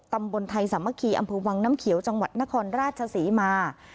ตำบลไทยสามัคคีอำเภอวังน้ำเขียวจังหวัดนครราชศรีมา